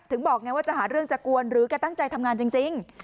บอกไงว่าจะหาเรื่องจะกวนหรือแกตั้งใจทำงานจริง